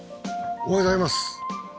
おはようございます。